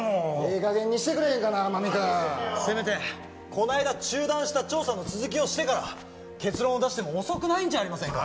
してくれへんかな天海君せめてこないだ中断した調査の続きをしてから結論を出しても遅くないんじゃありませんか？